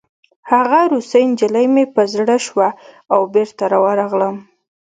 هغه روسۍ نجلۍ مې په زړه شوه او بېرته ورغلم